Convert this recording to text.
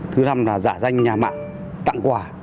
thứ năm là giả danh nhà mạng tặng quà